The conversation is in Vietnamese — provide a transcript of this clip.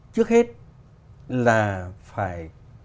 trước hết là phải